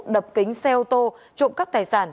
đập kính xe ô tô trộm cắp tài sản